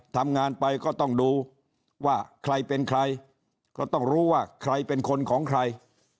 ทำงานไปก็ต้องดูว่าใครเป็นใครก็ต้องรู้ว่าใครเป็นคนของใคร